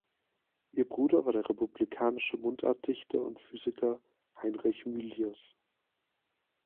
Ihr Bruder war der republikanische Mundartdichter und Physiker Heinrich Mylius.